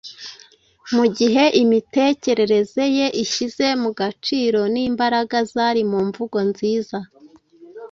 mu gihe imitekerereze ye ishyize mu gaciro n’imbaraga zari mu mvugo nziza